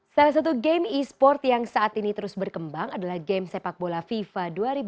salah satu game e sport yang saat ini terus berkembang adalah game sepak bola fifa dua ribu dua puluh